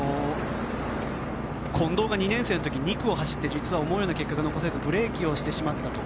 近藤が２年生の時に２区を走って実は思うような結果が残せずブレーキをしてしまったと。